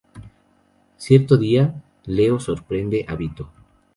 Cierto día, Leo sorprende a Vito.